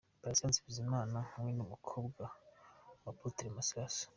Patient Bizimana hamwe n'umukobwa wa Apotre Masasu.